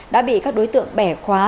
đã bị các đối tượng bẻ khóa